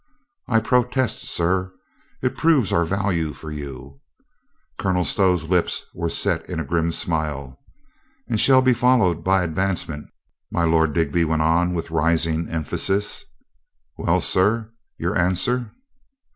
"I protest, sir, it proves our value for you." ... Colonel Stow's lips were set in a grim smile. ... "And shall be followed by advancement," my Lord Digby went on with rising emphasis, "Well, sir, your answer?"